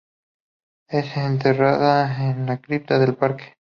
Es enterrada en la cripta del parque.